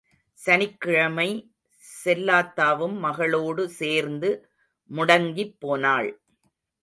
சனிக்கிழமை செல்லாத்தாவும் மகளோடு சேர்ந்து முடங்கிப் போனாள்.